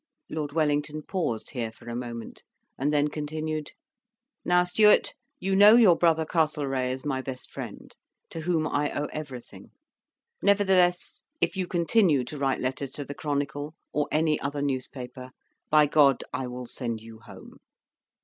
Lord Wellington paused here for a moment, and then continued: "Now, Stewart, you know your brother Castlereagh is my best friend, to whom I owe everything; nevertheless, if you continue to write letters to the Chronicle, or any other newspaper, by God, I will send you home."